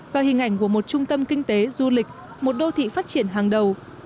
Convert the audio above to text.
và hình ảnh của một trung tâm kinh tế du lịch một đô thị phát triển hàng đầu